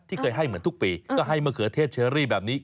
เคยให้เหมือนทุกปีก็ให้มะเขือเทศเชอรี่แบบนี้